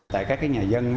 tại các nhà dân